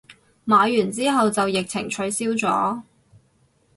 買完之後就疫情取消咗